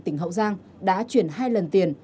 tỉnh hậu giang đã chuyển hai lần tiền